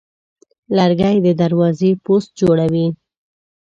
لرګی د دروازې پوست جوړوي.